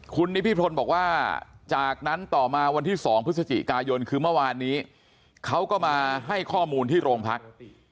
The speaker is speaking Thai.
คุณนิพิพลบอกว่าจากนั้นต่อมาวันที่๒พฤศจิกายนคือเมื่อวานนี้เขาก็มาให้ข้อมูลที่โรงพัก